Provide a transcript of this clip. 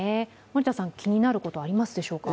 森田さん、気になることありますでしょうか？